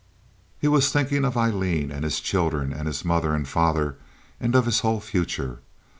He was thinking of Aileen and his children and his mother and father and of his whole future.